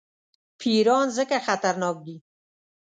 پیران ځکه خطرناک دي.